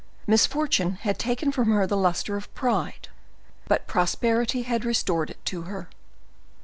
Misfortune had taken from her the luster of pride, but prosperity had restored it to her.